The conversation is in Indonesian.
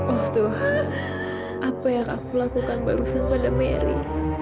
oh tuhan apa yang aku lakukan barusan pada mary